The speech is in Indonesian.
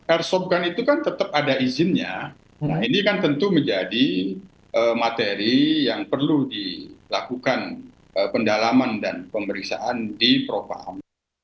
airsoft gun itu kan tetap ada izinnya nah ini kan tentu menjadi materi yang perlu dilakukan pendalaman dan pemeriksaan di propaham